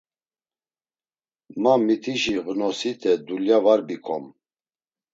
Ma mitişi ğnosite dulya var bikom.